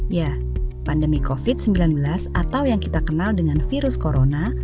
ya pandemi covid sembilan belas atau yang kita kenal dengan virus corona